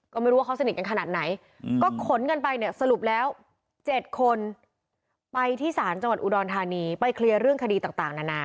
ก็ไม่รู้ว่าเขาสนิทกันขนาดไหน